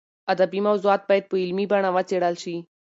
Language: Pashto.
ادبي موضوعات باید په علمي بڼه وڅېړل شي.